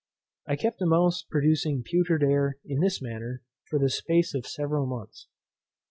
I kept a mouse producing putrid air in this manner for the space of several months.